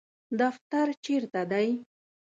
دفتر چیرته دی؟